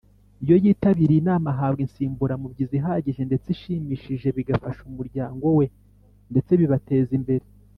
iyo yitabiriye inama ahabwa insimburamubyizi ihagije ndetse ishimishije bigafasha umuryango we ndetse bibateza imbere.